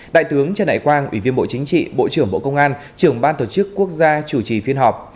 đại tướng trần đại quang ủy viên bộ chính trị bộ trưởng bộ công an trưởng ban tổ chức quốc gia chủ trì phiên họp